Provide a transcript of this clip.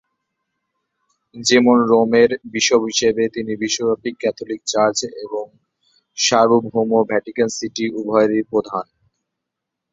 যেমন, রোমের বিশপ হিসেবে, তিনি বিশ্বব্যাপী ক্যাথলিক চার্চ এবং সার্বভৌম ভ্যাটিকান সিটি উভয়েরই প্রধান।